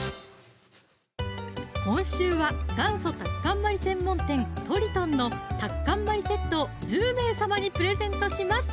今週は元祖タッカンマリ専門店「とりとん」のタッカンマリセットを１０名様にプレゼントします